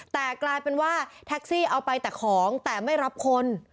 แต่กลายเป็นว่าแท็กซี่เอาไปแต่ของแต่ไม่รับคน